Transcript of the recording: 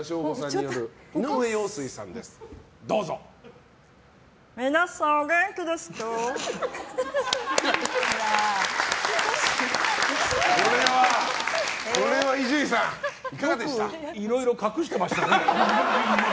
よくいろいろ隠してましたね。